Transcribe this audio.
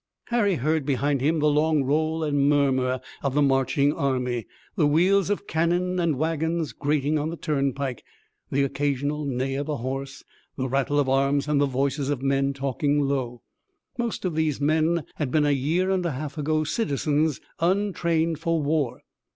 Harry heard behind him the long roll and murmur of the marching army, the wheels of cannon and wagons grating on the turnpike, the occasional neigh of a horse, the rattle of arms and the voices of men talking low. Most of these men had been a year and a half ago citizens untrained for war.